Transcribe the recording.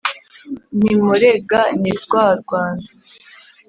nti mpore ga ni rwa rwanda